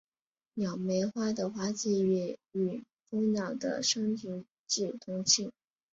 鸟媒花的花期也与蜂鸟的生殖季同期。